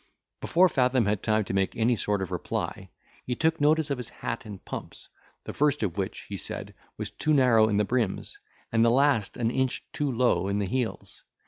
Before Fathom had time to make any sort of reply, he took notice of his hat and pumps; the first of which, he said, was too narrow in the brims, and the last an inch too low in the heels.